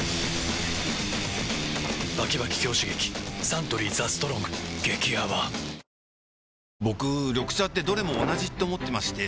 サントリー「ＴＨＥＳＴＲＯＮＧ」激泡僕緑茶ってどれも同じって思ってまして